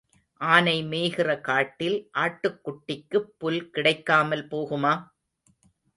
ஆனை மேய்கிற காட்டில் ஆட்டுக்குட்டிக்குப் புல் கிடைக்காமல் போகுமா?